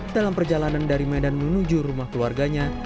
dalam perjalanan dari medan menuju rumah keluarganya